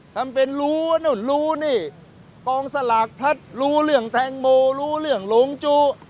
ทำเป็นรู้ว่านู่นรู้นี่กองสลากพลัดรู้เรื่องแตงโมรู้เรื่องหลงจู้